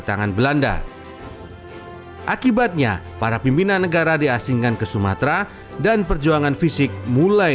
tangan belanda akibatnya para pimpinan negara diasingkan ke sumatera dan perjuangan fisik mulai